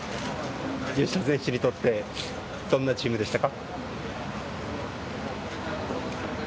吉田選手にとってどんなチームでしたか？